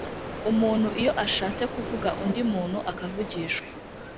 Umuntu iyo ashatse kuvuga undi muntu akavugishwa